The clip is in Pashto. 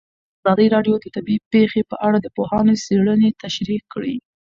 ازادي راډیو د طبیعي پېښې په اړه د پوهانو څېړنې تشریح کړې.